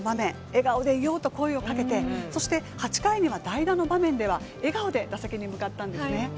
「笑顔でいよう」と声をかけてそして、８回に代打の場面では笑顔で打席に向かったんですね。